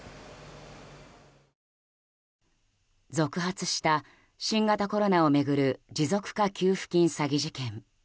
続発した新型コロナを巡る持続化給付金詐欺事件。